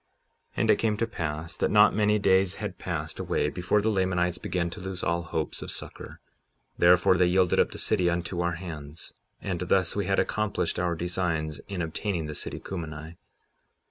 57:12 And it came to pass that not many days had passed away before the Lamanites began to lose all hopes of succor; therefore they yielded up the city unto our hands; and thus we had accomplished our designs in obtaining the city Cumeni.